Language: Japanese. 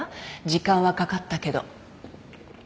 時間はかかったけど。